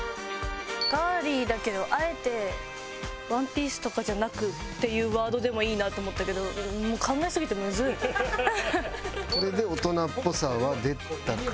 「ガーリーだけどあえてワンピースとかじゃなく」っていうワードでもいいなと思ったけどこれで大人っぽさは出たかな？